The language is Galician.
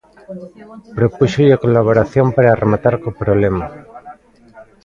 Propúxolle colaboración, para rematar co problema.